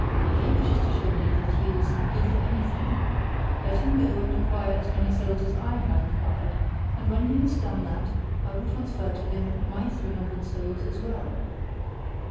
If he wishes to show me that he is good for anything, let him go and acquire as many souls as I have acquired; and when he has done that I will transfer to him my three hundred souls as well."